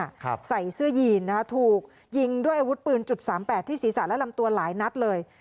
ใส่เสื้อยีนนะคะถูกยิงด้วยอาวุธปืนจุดสามแปดที่ศีรษะและลำตัวหลายนัดเลย